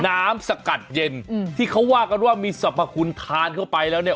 น้ำสกัดเย็นอืมที่เขาว่ากันว่ามีสรรพคุณทานเข้าไปแล้วเนี่ย